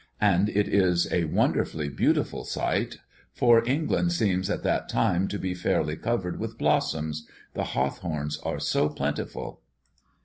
And it is a wonderfully beautiful sight, for England seems at that time to be fairly covered with blossoms, the hawthorns are so plentiful."